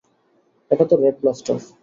এটা তো red blaster.